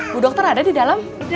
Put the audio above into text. bu dokter ada di dalam